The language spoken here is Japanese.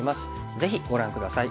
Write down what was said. ぜひご覧下さい。